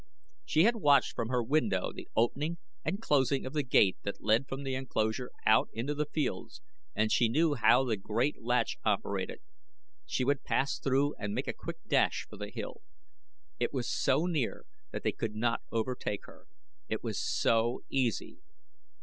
She had watched from her window the opening and closing of the gate that led from the enclosure out into the fields and she knew how the great latch operated. She would pass through and make a quick dash for the hill. It was so near that they could not overtake her. It was so easy!